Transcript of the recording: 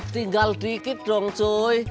tinggal dikit dong coy